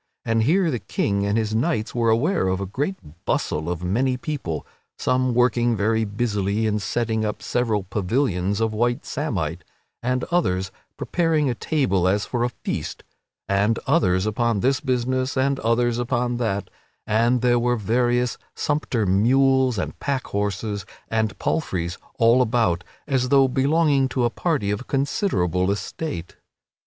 And here the King and his knights were aware of a great bustle of many people, some working very busily in setting up several pavilions of white samite, and others preparing a table as for a feast, and others upon this business and others upon that; and there were various sumpter mules and pack horses and palfreys all about, as though belonging to a party of considerable estate.